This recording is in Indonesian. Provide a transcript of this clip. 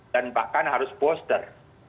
dan bahkan harus booster